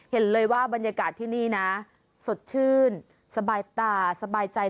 เห็นเลยว่าบรรยากาศที่นี่นะสดชื่นสบายตาสบายใจ